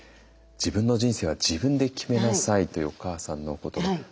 「自分の人生は自分で決めなさい」というお母さんの言葉